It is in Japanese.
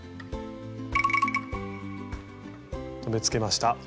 留めつけました。